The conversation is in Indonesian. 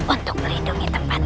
untuk rai santang